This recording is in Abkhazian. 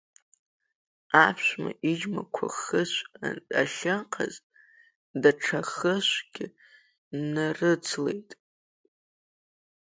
Аԥшәма иџьмақәа хышә ахьыҟаз, даҽа хышәгьы нарыцлеит.